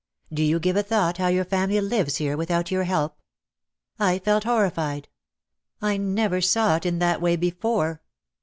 Do you give a thought how your family lives here without your help?" I felt horrified. I never saw it in that way before.